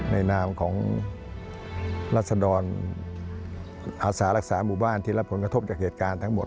นามของรัศดรอาสารักษาหมู่บ้านที่รับผลกระทบจากเหตุการณ์ทั้งหมด